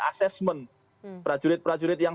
assessment prajurit prajurit yang